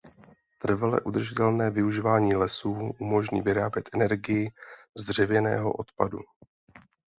Trvale udržitelné využívání lesů umožní vyrábět energii z dřevěného odpadu.